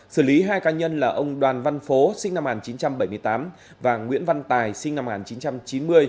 xử lý hai ca nhân là ông đoàn văn phố sinh năm một nghìn chín trăm bảy mươi tám và nguyễn văn tài sinh năm một nghìn chín trăm chín mươi